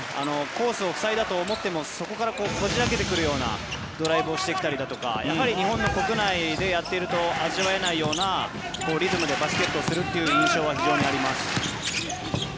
コースを塞いだと思ってもそこからこじ開けてくるようなドライブをしてきたりとか日本国内でやっていると味わえないようなリズムでバスケットをするという印象は非常にあります。